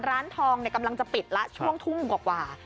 ร้านทองกำลังจะปิดละช่วงทุ่มกว่า